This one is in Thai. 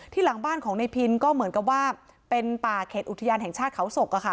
หลังบ้านของในพินก็เหมือนกับว่าเป็นป่าเขตอุทยานแห่งชาติเขาศก